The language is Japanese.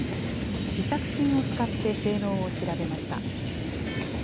試作品を使って性能を調べました。